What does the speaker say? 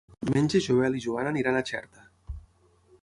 Diumenge en Joel i na Joana iran a Xerta.